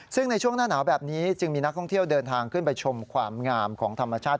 ซึ่งในช่วงหน้าหนาวแบบนี้จึงมีนักท่องเที่ยวเดินทางขึ้นไปชมความงามของธรรมชาติ